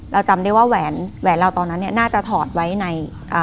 เราจำได้ว่าแหวนเราตอนนั้นน่าจะถอดไว้ใน